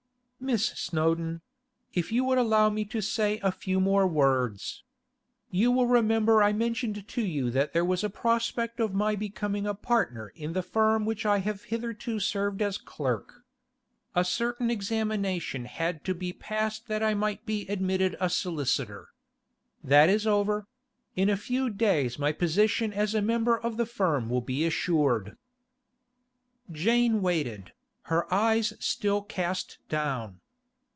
'Miss Snowdon—if you would allow me to say a few more words. You will remember I mentioned to you that there was a prospect of my becoming a partner in the firm which I have hitherto served as clerk. A certain examination had to be passed that I might be admitted a solicitor. That is over; in a few days my position as a member of the firm will be assured.' Jane waited, her eyes still cast down.